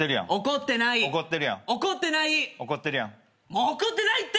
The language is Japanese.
もう怒ってないって！